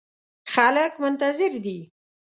خلګ منتظر دي